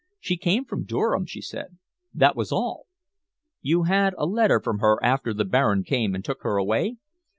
She came from Durham, she said that was all." "You had a letter from her after the Baron came and took her away?"